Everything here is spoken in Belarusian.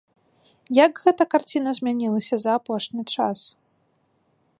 Як гэта карціна змянілася за апошні час?